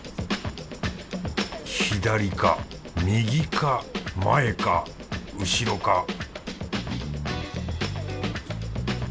左か右か前か後ろか